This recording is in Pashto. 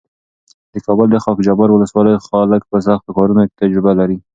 د کابل د خاکجبار ولسوالۍ خلک په سختو کارونو کې تجربه لري.